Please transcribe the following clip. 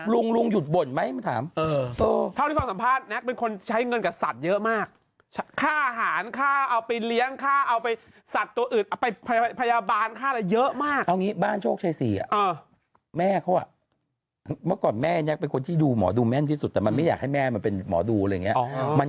รุงบ่นอะไรมันด่าฉันอย่างนั้น